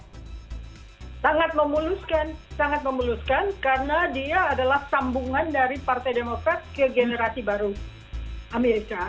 saya sangat memuluskan karena dia adalah sambungan dari partai demokrat ke generasi baru amerika